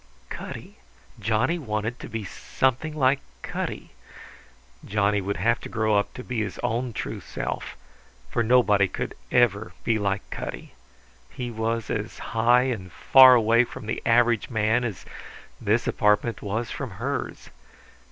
Cutty! Johnny wanted to be something like Cutty. Johnny would have to grow up to be his own true self; for nobody could ever be like Cutty. He was as high and far away from the average man as this apartment was from hers.